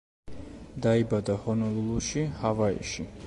დაიბადა ჰონოლულუში, ჰავაიში.